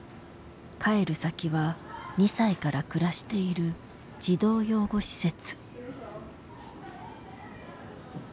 帰る先は２歳から暮らしている児童養護施設。